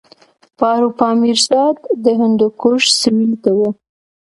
پاروپامیزاد د هندوکش سویل ته و